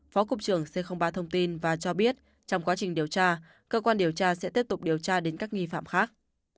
phó cục trưởng c ba thông tin và cho biết trong quá trình điều tra cơ quan điều tra sẽ tiếp tục điều tra đến các nghi phạm khác